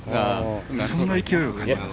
そんな勢いを感じます。